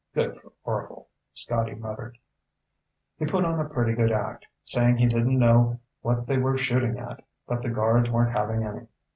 "Good for Orvil," Scotty muttered. "He put on a pretty good act, saying he didn't know what they were shooting at, but the guards weren't having any.